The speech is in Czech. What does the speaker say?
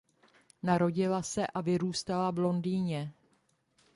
Narodila se a vyrůstala v Londýně.